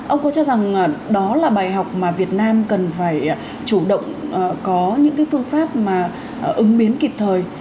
ông có cho rằng đó là bài học mà việt nam cần phải chủ động có những phương pháp mà ứng biến kịp thời